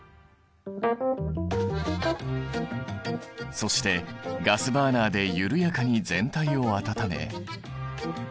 そしてガスバーナーで緩やかに全体を温め。